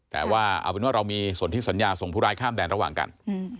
แต่ว่าเอาเป็นว่าเรามีส่วนที่สัญญาส่งผู้ร้ายข้ามแดนระหว่างกัน